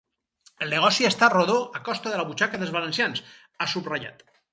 El negoci ha estat rodó a costa de la butxaca dels valencians, ha subratllat.